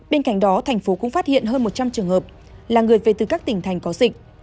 bên cạnh đó thành phố cũng phát hiện hơn một trăm linh trường hợp là người về từ các tỉnh thành có dịch